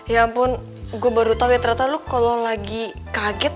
ya ampun gue baru tahu ya ternyata lu kalau lagi kaget